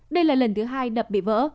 đây là lần thứ hai đập bị vỡ